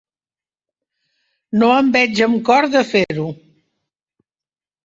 No em veig amb cor de fer-ho.